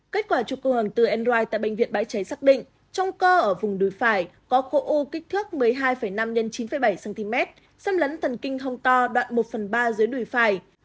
kết quả trục cơ hồng từ android tại bệnh viện bãi cháy xác định trong cơ ở vùng đùi phải có khu u kích thước một mươi hai năm x chín bảy cm xâm lấn thần kinh không to đoạn một phần ba dưới đùi phải